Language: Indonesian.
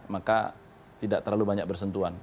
maka tidak terlalu banyak bersentuhan